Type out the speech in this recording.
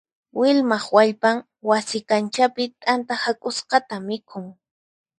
Vilmaq wallpan wasi kanchapi t'anta hak'usqata mikhun.